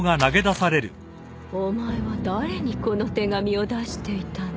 お前は誰にこの手紙を出していたの？